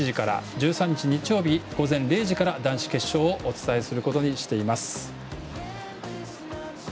１３時日曜日午前０時から男子決勝をお伝えすることにしています。